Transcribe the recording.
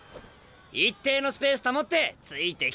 一定のスペース保ってついてきてくれよ！